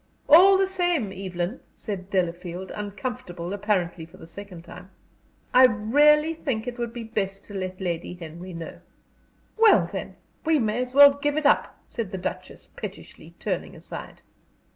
"All the same, Evelyn," said Delafield, uncomfortable apparently for the second time, "I really think it would be best to let Lady Henry know." "Well, then, we may as well give it up," said the Duchess, pettishly, turning aside.